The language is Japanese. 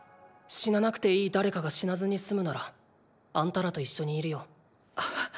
死ななくていい誰かが死なずに済むならあんたらと一緒にいるよ。